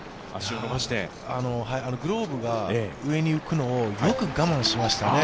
グローブが上に浮くのをよく我慢しましたね。